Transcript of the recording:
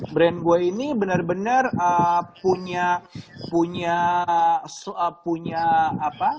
brand gue ini benar benar punya punya punya apa